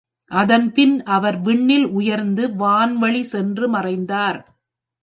அதன்பின் அவர் விண்ணில் உயர்ந்து வான்வழிச் சென்று மறைந்தார்.